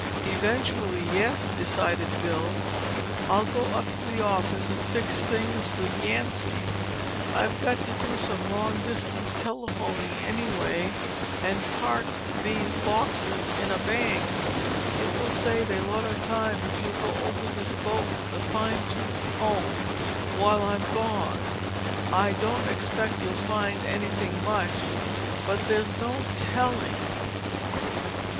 "Eventually, yes," decided Bill. "I'll go up to the office and fix things with Yancy. I've got to do some long distance telephoning, anyway, and park these boxes in a bank. It will save a lot of time if you'll go over this boat with a fine tooth comb while I'm gone. I don't expect you'll find anything much, but there's no telling."